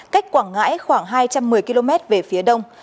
cách quảng ngãi khoảng hai trăm một mươi km về phía đông